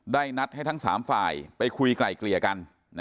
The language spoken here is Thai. นัดให้ทั้ง๓ฝ่ายไปคุยไกล่เกลี่ยกัน